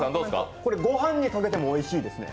これ、ご飯にかけてもおいしいですね。